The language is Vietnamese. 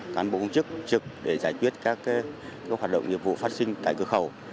cán bộ công chức trực để giải quyết các hoạt động nhiệm vụ phát sinh tại cửa khẩu